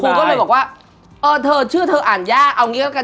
ครูก็เลยบอกว่าเออเธอชื่อเธออ่านยากเอาอย่างงี้กันกัน